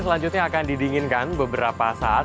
selanjutnya akan didinginkan beberapa saat